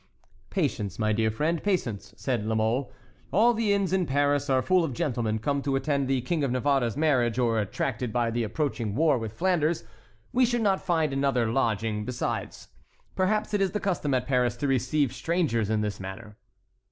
"Patience, my dear friend, patience," said La Mole. "All the inns in Paris are full of gentlemen come to attend the King of Navarre's marriage or attracted by the approaching war with Flanders; we should not find another lodging; besides, perhaps it is the custom at Paris to receive strangers in this manner."